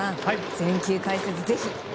全球解説、ぜひ。